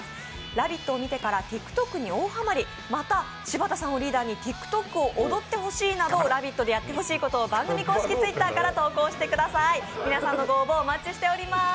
「ラヴィット！」を見てからＴｉｋＴｏｋに大ハマりまた柴田さんをリーダーにＴｉｋＴｏｋを踊ってほしいなど「ラヴィット！」でやってほしいことを番組公式Ｔｗｉｔｔｅｒから投稿してください。